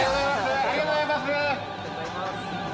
ありがとうございます！